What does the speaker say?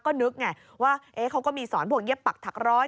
ก็นึกไงว่าเขาก็มีสอนพวกเย็บปักถักร้อย